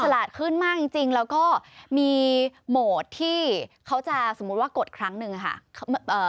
ฉลาดขึ้นมากจริงแล้วก็มีโหมดที่เขาจะสมมุติว่ากดครั้งนึงค่ะ